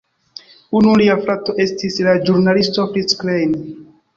Unu lia frato estis la ĵurnalisto Fritz Klein.